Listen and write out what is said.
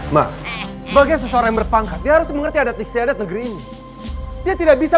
mah sebagai seseorang yang berpangkat dia harus mengerti adat istiadat negeri ini dia tidak bisa